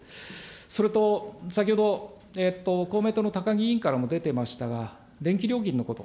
それと、先ほど、公明党の高木委員からも出てましたが、電気料金のこと。